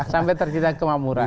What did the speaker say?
sampai terkira kemamuran